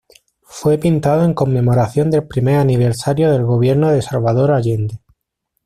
Fue pintado en conmemoración del primer aniversario del gobierno de Salvador Allende.